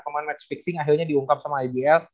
pemain match fixing akhirnya diungkap sama ibl